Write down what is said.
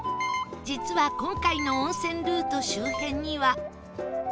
実は今回の温泉ルート周辺には